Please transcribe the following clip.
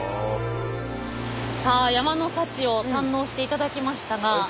さあ山の幸を堪能していただきましたが。